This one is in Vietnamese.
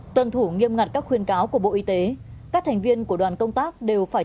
tuân thủ nghiêm ngặt các khuyên cáo của bộ y tế các thành viên của đoàn công tác đều phải